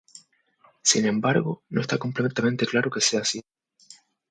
Sin embargo, no está completamente claro que así sea.